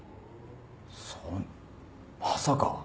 そんなまさか！